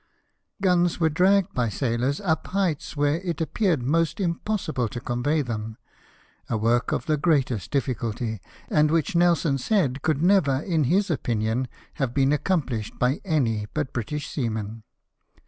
Guns were dragged by the sailors up heights where it appeared almost impossible to convey them — a work of the greatest difficulty, and which Nelson said could never, in his opinion, have been accom plished by any but British seamen.